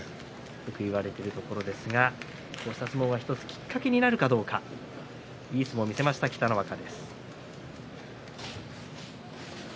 よく言われているところですがこの相撲が１つきっかけになるかいい相撲を見せました北の若です。